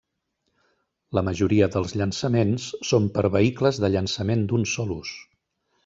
La majoria dels llançaments són per vehicles de llançament d'un sol ús.